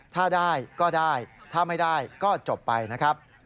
ถ้าได้ก็ได้ถ้าไม่ได้ก็จบไปนะครับ